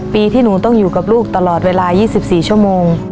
ปีที่หนูต้องอยู่กับลูกตลอดเวลา๒๔ชั่วโมง